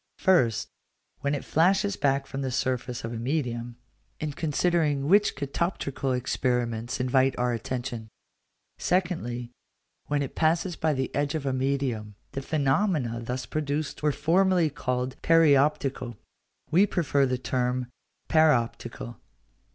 First, when it flashes back from the surface of a medium; in considering which catoptrical experiments invite our attention. Secondly, when it passes by the edge of a medium: the phenomena thus produced were formerly called perioptical; we prefer the term paroptical.